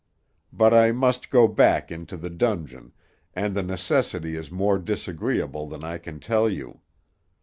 But I must go back into the dungeon, and the necessity is more disagreeable than I can tell you.